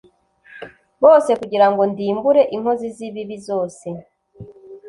bose kugira ngo ndimbure inkozi z ibibi zose